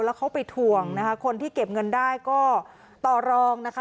แล้วเขาไปถ่วงนะคะคนที่เก็บเงินได้ก็ต่อรองนะคะ